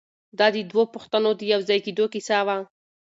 دا د دوو پښتنو د یو ځای کېدو کیسه وه.